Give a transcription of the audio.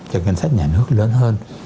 cho ngân sách nhà nước lớn hơn